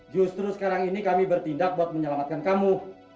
justru sekarang ini kami bertindak buat menyelamatkan kamu